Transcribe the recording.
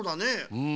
うん。